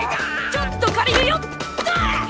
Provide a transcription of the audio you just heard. ちょっと借りるよっと！